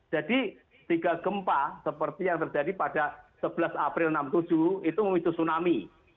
jadi tiga gempa seperti yang terjadi pada sebelas april seribu sembilan ratus enam puluh tujuh itu memicu tsunami